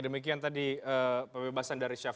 pak ini ini sebelah mari pak